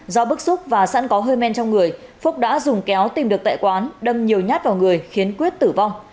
do bức xúc và sẵn có hơi men trong người phúc đã dùng kéo tìm được tại quán đâm nhiều nhát vào người khiến quyết tử vong